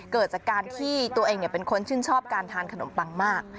เกิดจากการที่ตัวเองเป็นคนชื่นชอบการทานขนมปังมาก